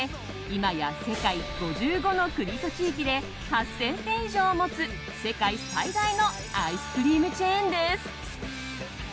今や世界５５の国と地域で８０００店以上持つ世界最大のアイスクリームチェーンです。